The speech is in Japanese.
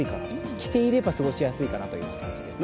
着ていれば過ごしやすいかなという感じですね。